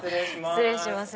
失礼します